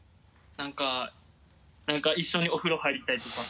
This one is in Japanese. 何か何か一緒にお風呂入りたいとか。